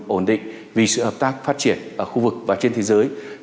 ổn định vì sự hợp tác phát triển ở khu vực và trên thế giới